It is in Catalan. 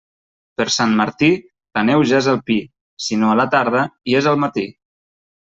Per Sant Martí, la neu ja és al pi, si no a la tarda, hi és al matí.